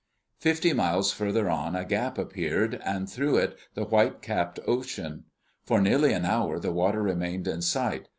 Fifty miles farther on a gap appeared, and through it the white capped ocean. For nearly an hour the water remained in sight.